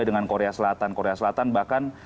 dengan korea selatan korea selatan bahkan